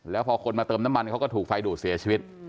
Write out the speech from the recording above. แล้วพอคนมาเติมน้ำมันเขาก็ถูกไฟดูดเสียชีวิต